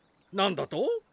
何だと？